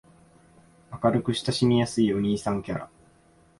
明るく親しみやすいお兄さんキャラ